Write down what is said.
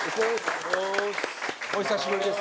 お久しぶりです。